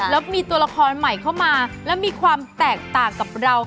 แล้วมีตัวละครใหม่เข้ามาแล้วมีความแตกต่างกับเรา